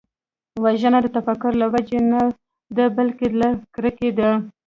وژنه د تفکر له وجې نه ده، بلکې له کرکې ده